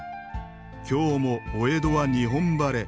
今日もお江戸は日本晴れ。